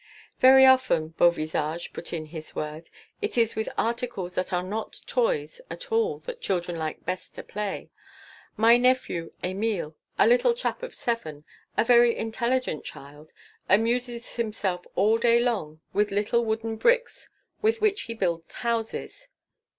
"Very often," Beauvisage put in his word, "it is with articles that are not toys at all that children like best to play. My nephew Émile, a little chap of seven, a very intelligent child, amuses himself all day long with little wooden bricks with which he builds houses....